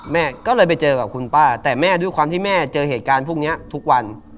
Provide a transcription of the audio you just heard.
แม่ก็เลยไปเจอกับคุณป้าแต่แม่ด้วยความที่แม่เจอเหตุการณ์พวกนี้ทุกวัน